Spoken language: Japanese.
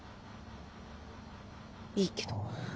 いいけど。